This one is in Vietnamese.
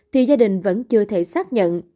thì gia đình vẫn chưa thể xác nhận